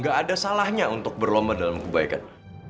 gak ada salahnya untuk berlomba dalam kebaikan